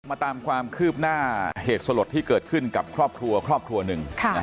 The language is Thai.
มาตามความคืบหน้าเหตุสลดที่เกิดขึ้นกับครอบครัวครอบครัวหนึ่ง